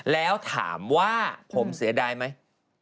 แล้วถามว่าผมเสียดายไหม